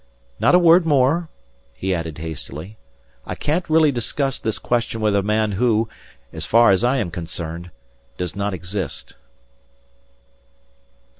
Not a word more," he added hastily. "I can't really discuss this question with a man who, as far as I am concerned, does not exist."